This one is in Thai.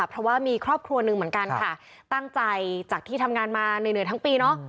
เพราะว่ามีครอบครัวหนึ่งเหมือนกันค่ะตั้งใจจากที่ทำงานมาเหนื่อยทั้งปีเนอะ